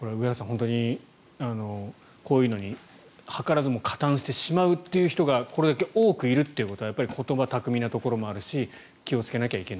本当にこういうのに図らずも加担してしまうという人がこれだけ多くいるということは言葉巧みなところもあるし